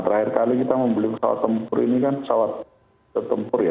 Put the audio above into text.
terakhir kali kita membeli pesawat tempur ini kan pesawat tertempur ya